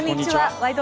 「ワイド！